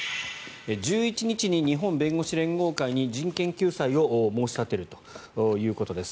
１１日に日本弁護士連合会に人権救済を申し立てるということです。